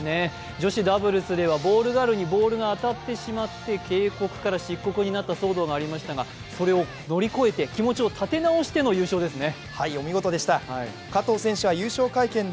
女子ダブルスではボールガールにボールが当たってしまって警告から失格になった騒動がありましたが、それを乗り越えて気持ちを立て直しての優勝でしたね。